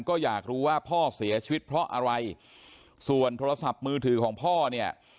ก็อยากรู้ว่าพ่อเสียชีวิตเพราะอะไรส่วนโทรศัพท์มือถือของพ่อเนี่ย